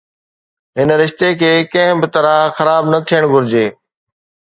هن رشتي کي ڪنهن به طرح خراب نه ٿيڻ گهرجي.